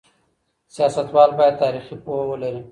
سیاستوال باید تاریخي پوهه ولري.